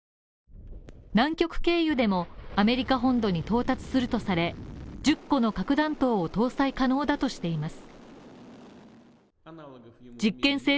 南極経由でもアメリカ本土に到達するとされ、１０個の核弾頭を搭載可能だとしています。